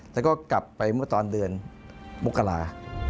แล้วก็กลับไปเมื่อตอนเดือนมกรา